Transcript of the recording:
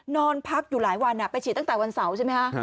นอนพักอยู่หลายวันไปฉีดตั้งแต่วันเสาร์ใช่ไหมคะ